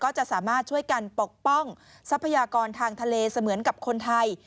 จะสามารถช่วยกันปกป้องทรัพยากรทางทะเลเสมือนกับคนไทย